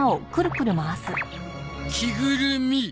着ぐるみ。